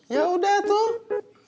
ya udah tuh